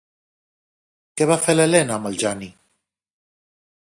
Què va fer l'Elena amb el Jani?